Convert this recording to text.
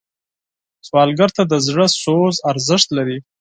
سوالګر ته د زړه سوز ارزښت لري